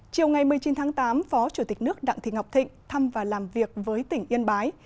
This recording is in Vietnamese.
chiều ngày một mươi chín tháng tám phó chủ tịch nước đặng thị ngọc thịnh thăm và làm việc với tỉnh yên bái